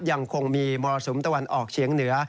ยังคงมีมรสุมตะวันออกเฉียงเหนือ